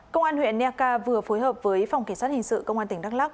công an huyện nea kha vừa phối hợp với phòng kiểm soát hình sự công an tp đắk lắc